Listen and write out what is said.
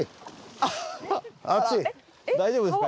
大丈夫ですか？